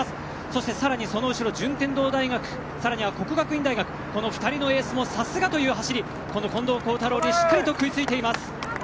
そして、更にその後ろ順天堂大学更には國學院大學この２人のエースもさすがという走り近藤幸太郎にしっかりと食いついています。